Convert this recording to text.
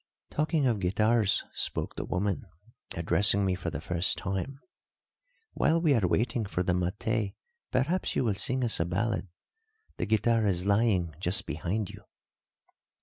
"Talking of guitars," spoke the woman, addressing me for the first time; "while we are waiting for the maté, perhaps you will sing us a ballad. The guitar is lying just behind you."